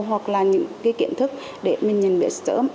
hoặc là những cái kiến thức để mình nhận biết sớm